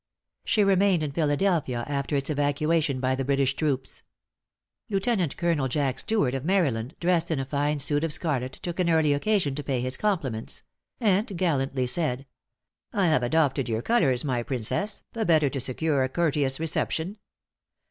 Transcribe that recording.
She remained in Philadelphia after its evacuation by the British troops. Lieutenant Colonel Jack Steward of Maryland, dressed in a fine suit of scarlet, took an early occasion to pay his compliments; and gallantly said "I have adopted your colors, my princess, the better to secure a courteous reception.